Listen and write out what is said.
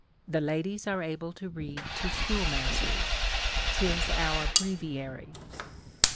The ladies are able to read to schoolmasters. 'Tis our breviary."